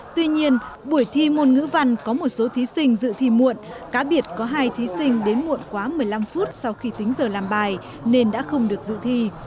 tuy nhiên buổi thi môn ngữ văn có một số thí sinh dự thi muộn cá biệt có hai thí sinh đến muộn quá một mươi năm phút sau khi tính giờ làm bài nên đã không được dự thi